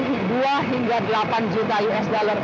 dari dua hingga delapan juta usd